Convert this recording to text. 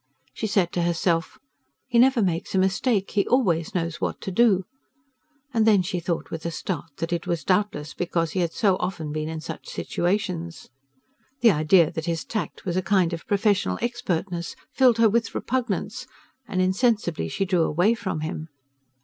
She said to herself: "He never makes a mistake he always knows what to do"; and then she thought with a start that it was doubtless because he had so often been in such situations. The idea that his tact was a kind of professional expertness filled her with repugnance, and insensibly she drew away from him.